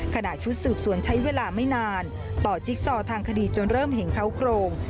ขณะชุดสืบสวนใช้เวลาไม่นานต่อจิ๊กซอทางคดีจนเริ่มเห็นเขาโครง